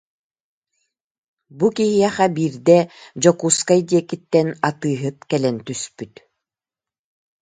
Бу киһиэхэ биирдэ Дьокуускай диэкиттэн атыыһыт кэлэн түспүт